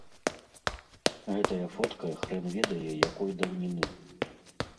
Гэтая фотка хрэн ведае якой даўніны.